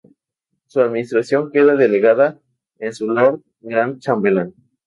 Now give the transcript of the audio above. Su administración queda delegada en su Lord gran chambelán.